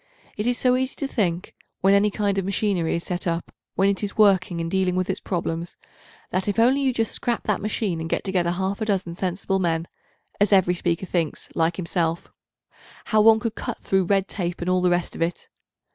It is so easy to think, when any kind of machinery is set up, when it is working, and dealing with its problems, that if only you just scrap that machine and get together half a dozen sensible men—as every speaker thinks, like himself—how one could cut through red tape and all the rest of it.